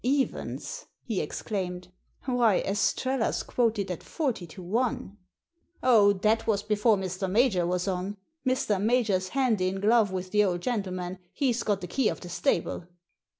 « Evens! " he exclaimed. •* Why, Estrella's quoted at forty to one." 0h, that was before Mr. Major was on. Mr. Major's hand in glove with the Old Gentleman — he's got the key of the stable."